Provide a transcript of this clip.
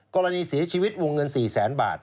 กรณีเสียชีวิตวงเงิน๔แสนบาท